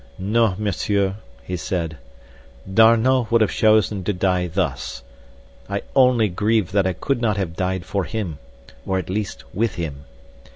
"No, Monsieur," he said, "D'Arnot would have chosen to die thus. I only grieve that I could not have died for him, or at least with him.